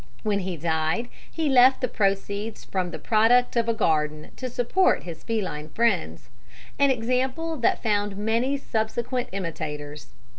When he died, he left the proceeds from the product of a garden to support his feline friends an example that found many subsequent imitators.